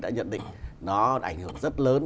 đã nhận định nó ảnh hưởng rất lớn